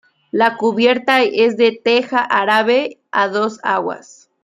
La cubierta es de teja árabe a dos aguas.